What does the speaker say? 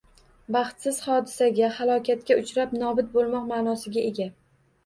Baxtsiz hodisaga, halokatga uchrab nobud boʻlmoq maʼnosiga ega